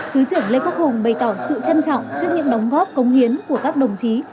thứ trưởng lê quốc hùng bày tỏ sự trân trọng trước những đóng góp công hiến của các đồng chí